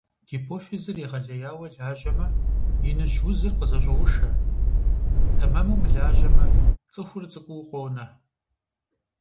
Гипофизыр егъэлеяуэ лажьэмэ, иныжь узыр къызэщӀоушэ, тэмэму мылажьэмэ - цӀыхур цӀыкӀуу къонэ.